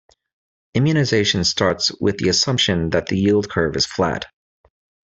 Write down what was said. Immunization starts with the assumption that the yield curve is flat.